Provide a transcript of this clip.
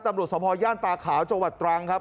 ตำรวจสมภอย่างตาขาวชวัตรฐ์ตรังครับ